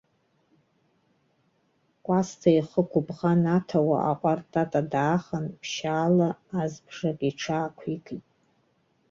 Кәасҭа ихы гәыбӷан аҭауа аҟәардә тата даахан, ԥшьшьала азбжак иҽаақәикт.